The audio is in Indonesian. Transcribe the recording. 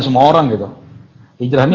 semua orang gitu hijrah ini